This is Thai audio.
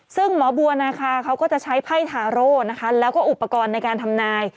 ซึ่งหมอบัวนาคาเขาก็จะใช้ไพ่ทาโร่นะคะแล้วก็อุปกรณ์ในการทำนาย